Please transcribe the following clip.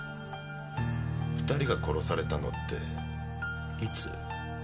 ２人が殺されたのっていつ？